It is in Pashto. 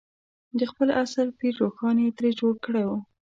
د خپل عصر پير روښان یې ترې جوړ کړی و.